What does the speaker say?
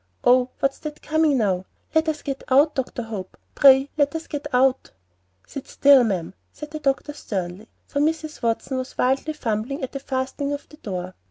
Oh, what's that coming now? Let us get out, Dr. Hope; pray, let us all get out." "Sit still, ma'am," said the doctor, sternly, for Mrs. Watson was wildly fumbling at the fastening of the door.